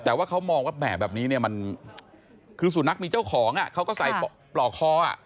แต่ว่าเขามองแบบแบบนี้เนี่ยคือสุดนักมีเจ้าของเขาก็ใส่ปล่อคอ